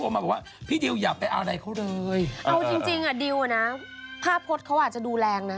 ภาพพดเขาอาจจะดูแรงนะ